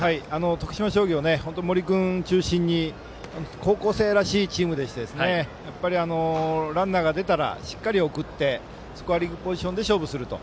徳島商業森君中心に高校生らしいチームでランナーが出たらしっかり、送ってスコアリングポジションで勝負すると。